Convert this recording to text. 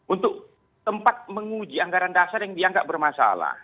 untuk tempat menguji anggaran dasar yang dia anggap bermasalah